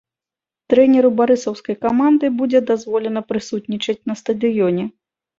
Трэнеру барысаўскай каманды будзе дазволена прысутнічаць на стадыёне.